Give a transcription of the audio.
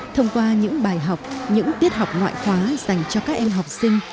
thông qua những bài học những tiết học ngoại khóa dành cho các em học sinh